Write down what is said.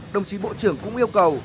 đồng chí bộ trưởng cũng yêu cầu